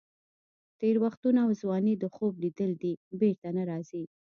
تېر وختونه او ځواني د خوب لیدل دي، بېرته نه راځي.